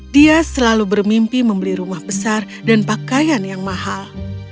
dia selalu bermimpi membeli rumah besar dan pakaian yang mahal